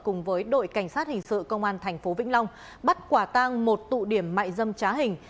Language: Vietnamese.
cùng với đội cảnh sát hình sự công an tp vĩnh long bắt quả tang một tụ điểm mại dâm trá hình